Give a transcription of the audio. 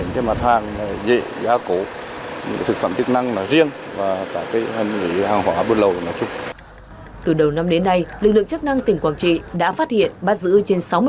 trong đó ba mươi bảy vụ mỹ phẩm hai mươi bốn vụ thực phẩm chức năng thu ngân sách hơn một tỷ đồng